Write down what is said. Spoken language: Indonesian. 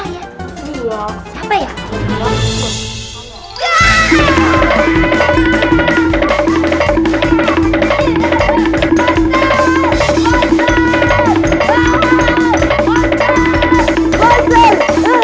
ya ada yang kenal sama saya